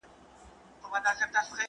د زده کړې په برکت بريا ترلاسه کړئ.